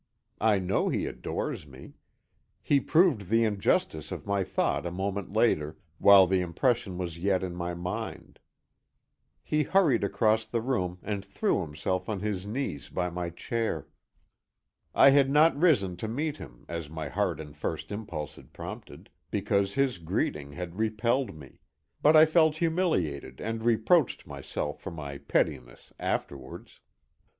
I know he adores me. He proved the injustice of my thought a moment later while the impression was yet in my mind. He hurried across the room and threw himself on his knees by my chair. I had not risen to meet him, as my heart and first impulse had prompted, because his greeting had repelled me, but I felt humiliated and reproached myself for my pettiness afterwards.